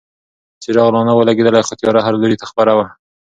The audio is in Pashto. څراغ لا نه و لګېدلی خو تیاره هر لوري ته خپره وه.